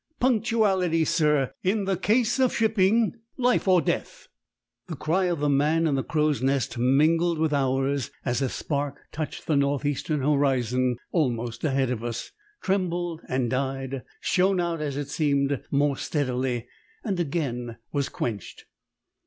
Punctuality, sir, in the case of shipping life or death " The cry of the man in the crow's nest mingled with ours as a spark touched the north eastern horizon almost ahead of us trembled and died shone out, as it seemed, more steadily and again was quenched.